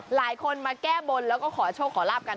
หลายคนมาแก้บนและเข้าได้โชคขอหลาบกัน